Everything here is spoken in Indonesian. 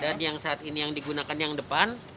dan yang saat ini yang digunakan yang depan